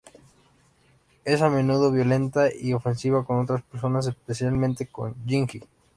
Es a menudo violenta y ofensiva con otras personas, especialmente con Shinji.